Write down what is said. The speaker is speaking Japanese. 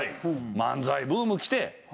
漫才ブーム来てねえ。